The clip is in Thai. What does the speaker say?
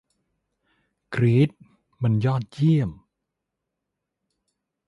กรี๊ด มันยอดเยี่ยม